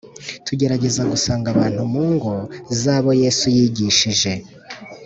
Tugerageza gusanga abantu mu ngo zabo yesu yigishije